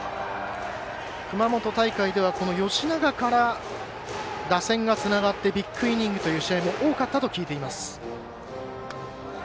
熊本大会では吉永から打線がつながってビッグイニングという試合も多かったと聞いています。